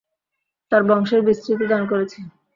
তার বংশের বিস্তৃতি দান করেছি।